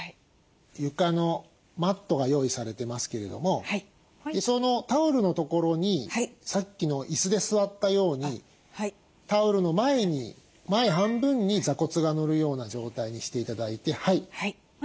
床のマットが用意されていますけれどもそのタオルのところにさっきの椅子で座ったようにタオルの前に前半分に座骨がのるような状態にして頂いて。